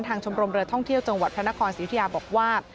ชมรมเรือท่องเที่ยวจังหวัดพระนครศรีอุทิยาบอกว่า